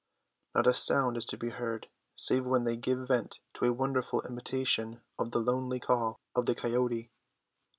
Not a sound is to be heard, save when they give vent to a wonderful imitation of the lonely call of the coyote.